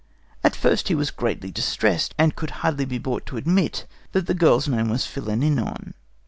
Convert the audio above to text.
At first he was greatly distressed, and could hardly be brought to admit that the girl's name was Philinnion.